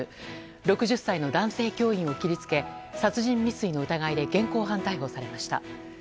６０歳の男性教員を切りつけ殺人未遂の疑いで現行犯逮捕されました。